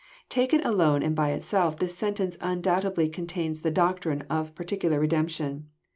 Taken alone and by itself this sentence undoubtedly contains the doctrine of particular redemption.